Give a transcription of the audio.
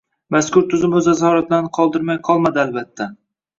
Mazkur tuzum o‘z asoratlarini qoldirmay qolmadi, albatta.